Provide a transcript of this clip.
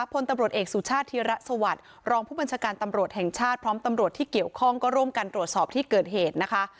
พลตำรวจเอกสุชาติธิระสวัสดิ์รองผู้บัญชาการตำรวจแห่งชาติพร้อมตำรวจที่เกี่ยวข้องก็ร่วมกันตรวจสอบที่เกิดเหตุนะคะ